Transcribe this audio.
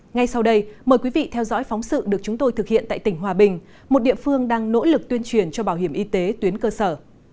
ngay sau đây mời quý vị theo dõi phóng sự được chúng tôi thực hiện tại tỉnh hòa bình một địa phương đang nỗ lực tuyên truyền cho bảo hiểm y tế tuyến cơ sở